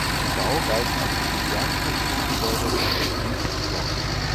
Der Bau galt als modernstes Schulgebäude der Provinz Sachsen.